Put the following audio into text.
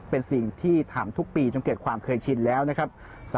เป็นสิ่งที่ทำทุกปีจนเกิดความเคยชินแล้วนะครับ